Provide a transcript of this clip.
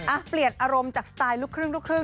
อ่ะเปลี่ยนอารมณ์จากสไตล์ลุคครึ่ง